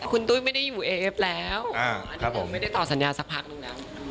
คุณตุ๊ยไม่ได้อยู่เอเอฟแล้วอ่าครับผมไม่ได้ตอบสัญญาสักพักนึงนะ